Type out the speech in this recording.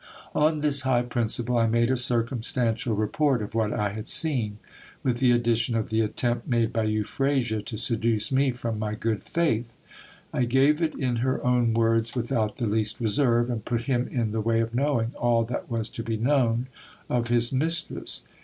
On this high principle, I made a circumstantial report of what I had seen, with the addition of the attempt made by Euphrasia to seduce me from my good faith. I gave it in her own words without the least reserve, and put him in the way of knowing all that was to be known of his mistress.